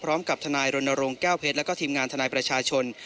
พร้อมกับทนายรณรงค์แก้วเพชรแล้วก็ทีมงานทนายประชาชน